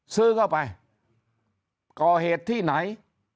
ซื้อเข้าไปก่อเหตุที่ไหน